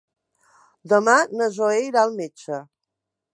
Demà na Zoè irà al metge.